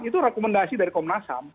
itu rekomendasi dari komnasam